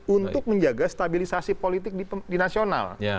untuk menjaga stabilisasi politik di nasional